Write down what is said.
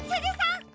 ん？